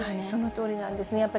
そのとおりなんですね。